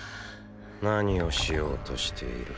何をしようとしている？